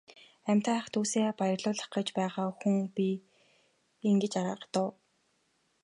Амьтан ах дүүсээ баярлуулах гэж байгаа хүн би гэж аргадав.